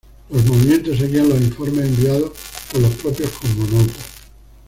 Los movimientos seguían los informes enviados por los propios cosmonautas.